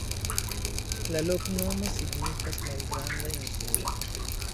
La loknomo signifas: malgranda insulo.